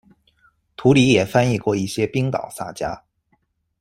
图里也翻译过一些冰岛萨迦。